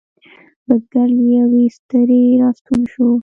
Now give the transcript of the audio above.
بزگر له یویې ستړی را ستون شو.